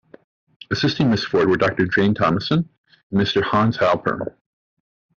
Assisting Ms Forde were Doctor Jane Thomason and Mr Hans Heilperm.